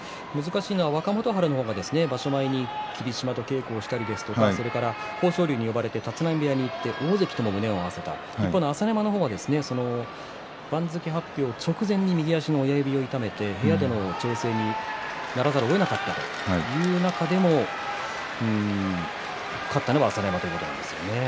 若元春が場所前に霧島と稽古したり豊昇龍に呼ばれて立浪部屋で大関とも胸を合わせた朝乃山は番付発表直前に右足の親指を痛めて部屋での調整にやらざるをえなかったという中で勝ったのは朝乃山ということですね。